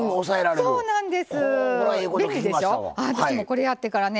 そうなんです。